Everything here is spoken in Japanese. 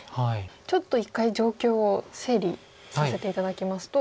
ちょっと一回状況を整理させて頂きますと。